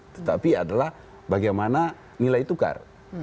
tetapi adalah bagaimana nilai tukar